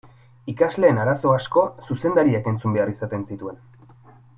Ikasleen arazo asko zuzendariak entzun behar izaten zituen.